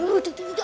cukup cukup cukup